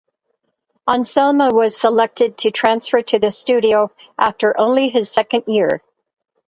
Anselmo was selected to transfer to the Studio after only his second year.